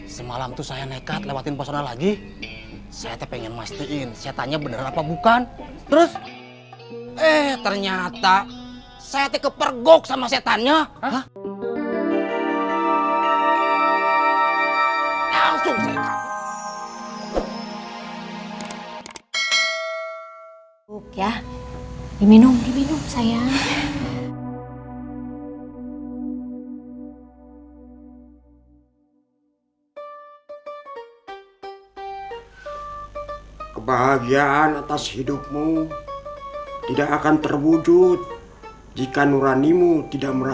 sampai jumpa di video selanjutnya